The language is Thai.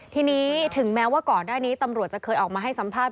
ทีนี้ถึงแม้ว่าก่อนหน้านี้ตำรวจจะเคยออกมาให้สัมภาษณ